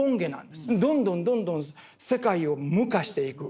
どんどんどんどん世界を無化していく。